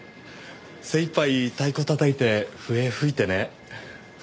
精いっぱい太鼓たたいて笛吹いてね。